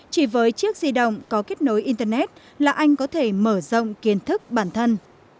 chỉ với chiếc di động có kết nối internet là anh có thể mở rộng kiến thức bản thân